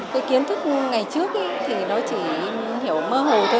cái kiến thức ngày trước thì nó chỉ hiểu mơ hồ thôi